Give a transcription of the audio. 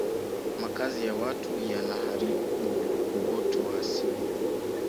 makazi ya watu yanaharubu uoto wa asili